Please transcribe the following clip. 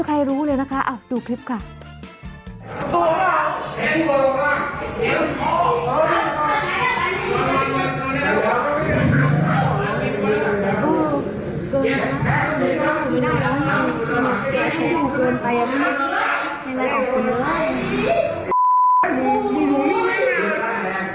โอ้ใครนี่โอ้โฮใครวิดีโอนะ